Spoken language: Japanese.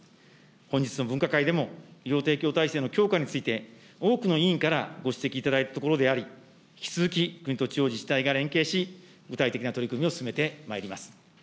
本日の分科会でも医療提供体制の強化について、多くの委員会からご指摘いただいたところであり、引き続き、国と地方自治体が連携し、具体的な取り組みを進めてまいります。